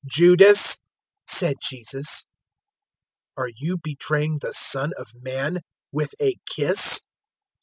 022:048 "Judas," said Jesus, "are you betraying the Son of Man with a kiss?"